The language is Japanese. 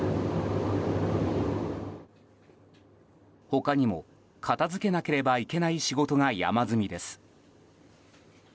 他にも片付けなければいけない仕事が山積みです。